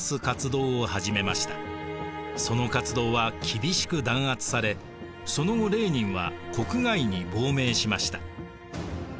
その活動は厳しく弾圧されその後レーニンは国外に亡命しました。